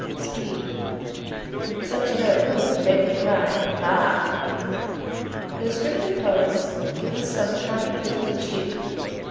"Speed. Such another proof will make me cry baa." The descriptive poets give us some charming pictures of sheep.